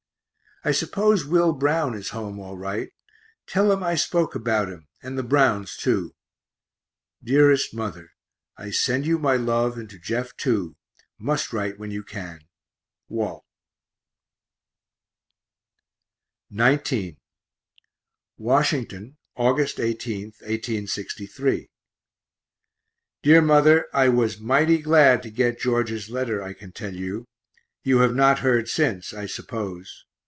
I suppose Will Brown is home all right; tell him I spoke about him, and the Browns too. Dearest Mother, I send you my love, and to Jeff too must write when you can. WALT. XIX Washington, Aug. 18, 1863. DEAR MOTHER I was mighty glad to get George's letter, I can tell you you have not heard since, I suppose.